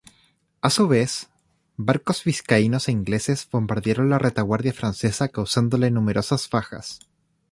A su vez, barcos vizcaínos e ingleses bombardearon la retaguardia francesa causándole numerosas bajas.